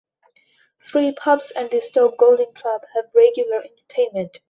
Three pubs and The Stoke Golding Club have regular entertainment.